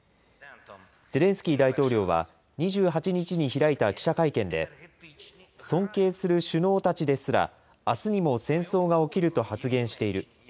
ゼレンスキー大統領は、２８日に開いた記者会見で、尊敬する首脳たちですら、あすにも戦争が起きると発言している。